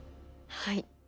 はい。